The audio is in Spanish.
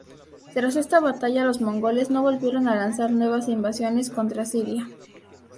Tras esta batalla los mongoles no volvieron a lanzar nuevas invasiones contra Siria.